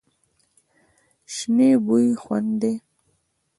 شنې بوی خوند دی.